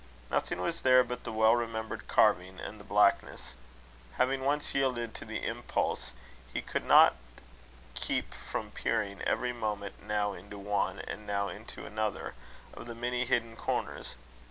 Nothing was there but the well remembered carving and blackness. Having once yielded to the impulse, he could not keep from peering every moment, now into one, and now into another of the many hidden corners.